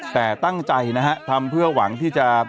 แต่ตั้งใจนะฮะทำเพื่อหวังที่จะ